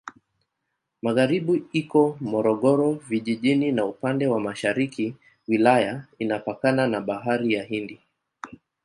Magharibi iko Morogoro Vijijini na upande wa mashariki wilaya inapakana na Bahari ya Hindi.